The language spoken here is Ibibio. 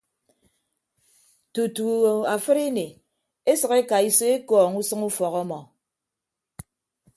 Tutu afịdini esʌk ekaiso ekọọñ usʌñ ufọk ọmmọ.